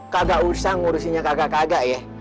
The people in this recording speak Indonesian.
kagak usah ngurusin kagak kagak ya